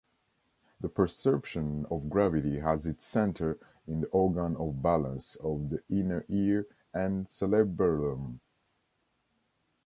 The perception of gravity has its center in the organ of balance of the inner ear and cerebellum.